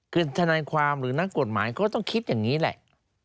คือทนายความหรือนักกฎหมายก็ต้องคิดอย่างนี้แหละ